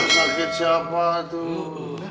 sakit siapa tuh